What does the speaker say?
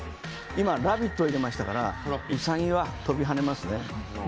今、ラヴィットを入れましたからウサギは跳びはねますね。